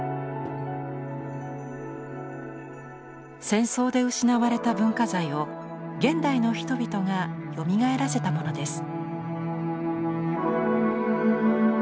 戦争で失われた文化財を現代の人々がよみがえらせたものです。